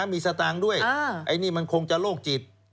มีสตางค์ด้วยไอ้นี่มันคงจะโรคจิต